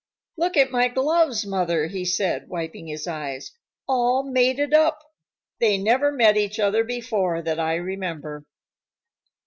"Look at my gloves, Mother," he said, wiping his eyes. "All mated up. They never met each other before, that I remember."